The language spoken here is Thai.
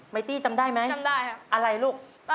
ไมตี้จำได้ไหมอะไรลูกจำได้ครับ